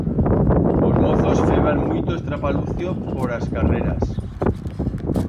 Os mozos feban muito estrapalucio por as carreras.